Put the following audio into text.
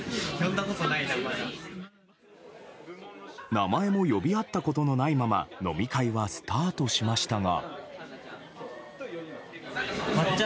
名前も呼び合ったことのないまま飲み会はスタートしましたが。